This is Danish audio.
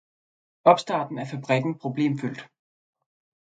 Opstarten af fabrikken problemfyldt.